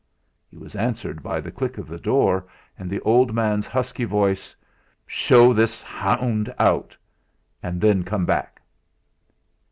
He was answered by the click of the door and the old man's husky voice: "Show this hound out! And then come back!"